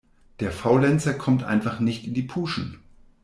Der Faulenzer kommt einfach nicht in die Puschen.